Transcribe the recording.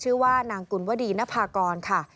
ชื่อว่านางกุลวดีนภากรค่ะ